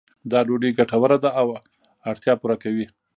دا ډوډۍ ګټوره ده او اړتیا پوره کوي.